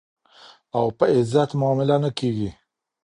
او په عزت معامله نه کېږي.